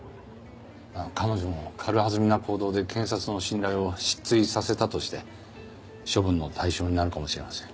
彼女も軽はずみな行動で検察の信頼を失墜させたとして処分の対象になるかもしれません。